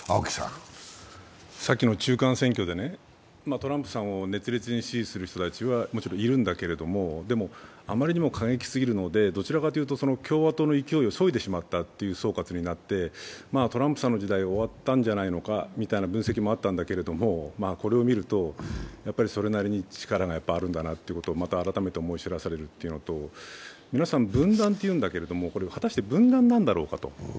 さきの中間選挙でトランプさんを熱烈に支持する人はもちろんいるんだけれども、でもあまりにも過激すぎるので、どちらかというと共和党の勢いをそいでしまったという総括になって、トランプさんの時代は終わったんじゃないかみたいな分析があったんだけれどもこれを見るとそれなりに力があるんだなということを改めて思い知らされるというのと皆さん分断と言うんだけれども、これは果たして分断なのだろうかと。